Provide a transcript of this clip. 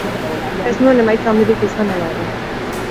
Ez zuen emaitza handirik izan hala ere.